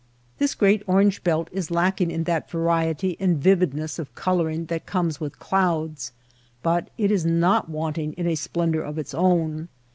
This great orange belt is lacking in that variety and vividness of coloring that comes with clouds, but it is not wanting in a splendor of its own.